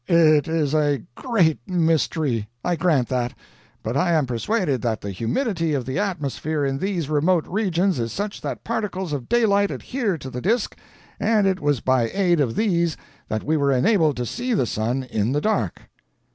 "It is a great mystery. I grant that. But I am persuaded that the humidity of the atmosphere in these remote regions is such that particles of daylight adhere to the disk and it was by aid of these that we were enabled to see the sun in the dark."